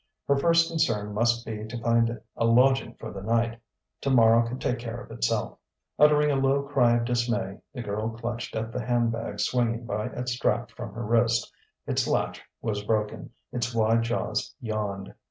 Her first concern must be to find a lodging for the night. Tomorrow could take care of itself.... Uttering a low cry of dismay, the girl clutched at the handbag swinging by its strap from her wrist: its latch was broken, its wide jaws yawned.